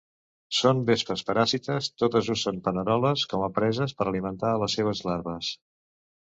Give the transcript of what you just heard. Són vespes paràsites, totes usen paneroles com a preses per alimentar a les seves larves.